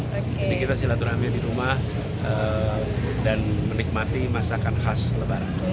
jadi kita silat rami di rumah dan menikmati masakan khas lebaran